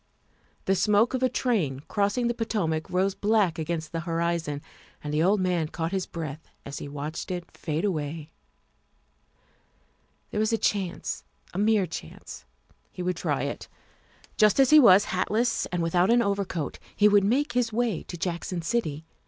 The smoke of a train cross ing the Potomac rose black against the horizon, and the old man caught his breath as he watched it fade away. There was a chance, a mere chance. He would try it. Just as he was, hatless and without an overcoat, he would make his way to Jackson City.